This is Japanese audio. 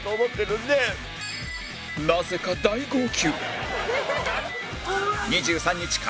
なぜか大号泣